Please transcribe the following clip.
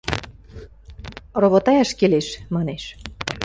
– Ровотаяш келеш! – манеш.